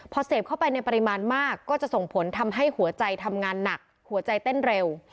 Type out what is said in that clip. พอเสพเข้าไปในปริมาณมากก็จะส่งผลทำให้หัวใจทำงานหนักหัวใจเต้นเร็ว